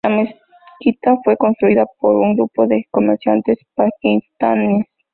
La mezquita fue construida por un grupo de comerciantes pakistaníes.